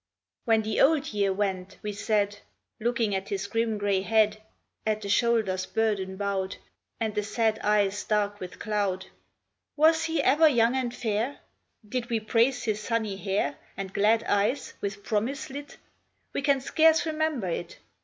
When the Old Year went, we said, Looking at his grim gray head, At the shoulders burden bowed, And the sad eyes dark with cloud : 204 WELCOME AND FAREWELL. " Was he ever young and fair? Did we praise his sunny hair And glad eyes, with promise lit? We can scarce remember it.